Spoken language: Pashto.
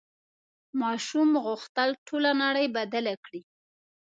ماشوم غوښتل ټوله نړۍ بدله کړي.